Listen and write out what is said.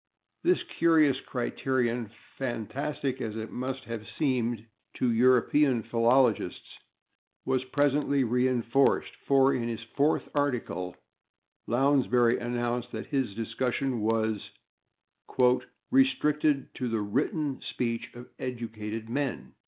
This curious criterion, fantastic as it must have seemed to [Pg011] European philologists, was presently reinforced, for in his fourth article Lounsbury announced that his discussion was "restricted to the /written/ speech of educated men."